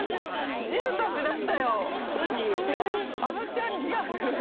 あのちゃんリアル。